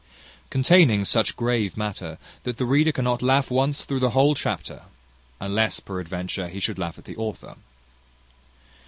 Containing such grave matter, that the reader cannot laugh once through the whole chapter, unless peradventure he should laugh at the author.